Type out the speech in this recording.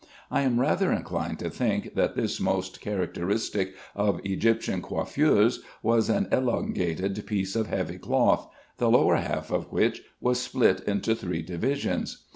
I am rather inclined to think that this most characteristic of Egyptian coiffures was an elongated piece of heavy cloth; the lower half of which was split into three divisions.